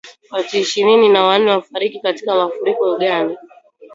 Watu ishirini na wanne wafariki katika mafuriko Uganda